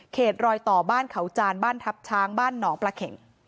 รอยต่อบ้านเขาจานบ้านทัพช้างบ้านหนองปลาเข็ง